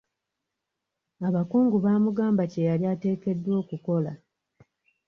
Abakungu bamugamba kye yali ateekeddwa okukola.